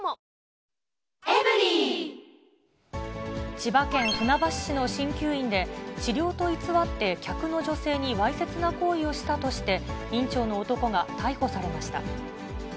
千葉県船橋市のしんきゅう院で、治療と偽って、客の女性にわいせつな行為をしたとして、院長の男が逮捕されました。